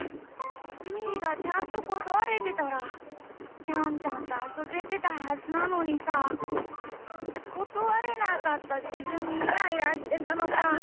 みーがちゃんとことわれてたらちゃんちゃんとあそべてたはずなのにさことわれなかったじぶんにイライラしてたのか。